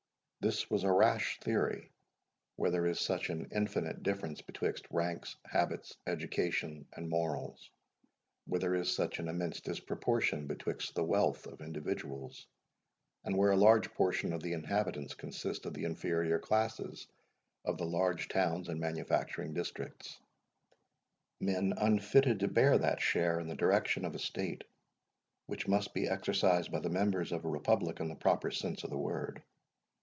This was a rash theory, where there is such an infinite difference betwixt ranks, habits, education, and morals—where there is such an immense disproportion betwixt the wealth of individuals—and where a large portion of the inhabitants consist of the inferior classes of the large towns and manufacturing districts—men unfitted to bear that share in the direction of a state, which must be exercised by the members of a republic in the proper sense of the word.